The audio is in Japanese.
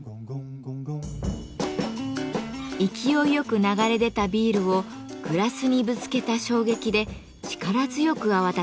勢いよく流れ出たビールをグラスにぶつけた衝撃で力強く泡立てます。